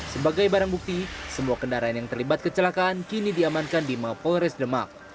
sebagai barang bukti semua kendaraan yang terlibat kecelakaan kini diamankan di mapolres demak